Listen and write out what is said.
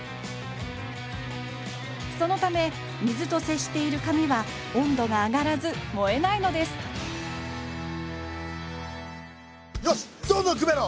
そのため水と接している紙は温度が上がらず燃えないのですよしどんどんくべろ！